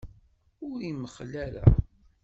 Ur imxell ara.